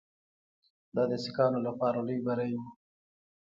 دا د سیکهانو لپاره لوی بری وو.